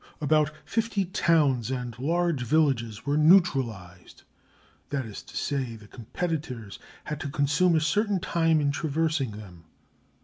About fifty towns and large villages were "neutralised" that is to say, the competitors had to consume a certain time in traversing them.